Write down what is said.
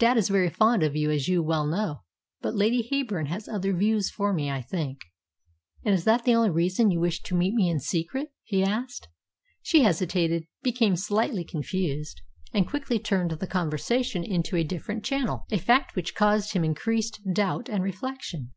"Dad is very fond of you, as you well know; but Lady Heyburn has other views for me, I think." "And is that the only reason you wish to meet me in secret?" he asked. She hesitated, became slightly confused, and quickly turned the conversation into a different channel, a fact which caused him increased doubt and reflection.